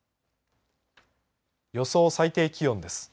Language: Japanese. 予想最低気温です。